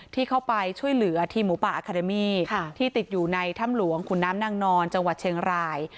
ที่เข้าไปช่วยเหลือทีมหมูป่าอาคาเดมี่ที่ติดอยู่ในถ้ำหลวงขุนน้ำนางนอนจังหวัดเชียงราย